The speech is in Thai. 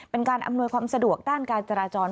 เป็นการอำนวยความสะดวกด้านการจราจร